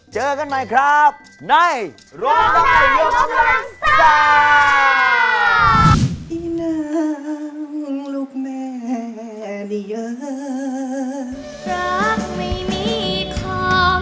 เจอกันใหม่ครับในรองได้ยกกำลังซ่า